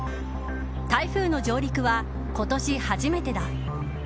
台風の上陸は今年初めてだ。